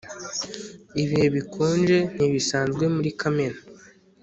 Ibihe bikonje ntibisanzwe muri kamena